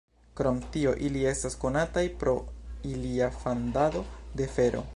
Krom tio ili estas konataj pro ilia fandado de fero.